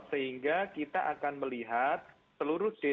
sehingga kita akan melihat seluruh jenis